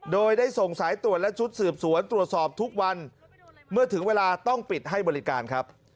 โดยได้ส่งสายตรวจและชุดสืบสวนตรวจสอบทุกวันเมื่อถึงเวลาต้องปิดให้บริการครับ